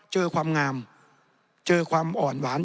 ความงามเจอความอ่อนหวาน